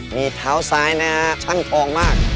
มีเท้าซ้ายนะฮะช่างทองมาก